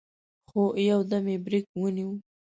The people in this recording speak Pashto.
خو يودم يې برېک ونيو.